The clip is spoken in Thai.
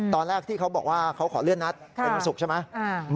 ตอนแรกที่เขาบอกว่าเขาขอเลื่อนนัดเป็นวันศุกร์ใช่ไหม